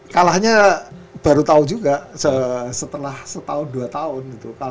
kalahnya baru tau juga setelah setahun dua tahun gitu